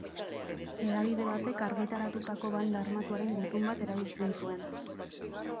Hedabide batek argitaratutako banda armatuaren gutun bat erabiltzen zuen.